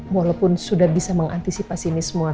walaupun sudah bisa mengantisipasi ini semua